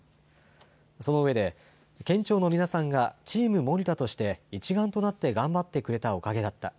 その上で、県庁の皆さんがチーム森田として一丸となって頑張ってくれたおかげだった。